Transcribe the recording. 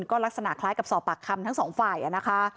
ก็ลักษณะคล้ายกับสอบปากคำทั้งสองฝ่ายนะคะ